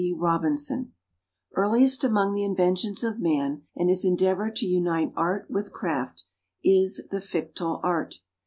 FICTILES Earliest amongst the inventions of man and his endeavour to unite Art with Craft is the Fictile Art.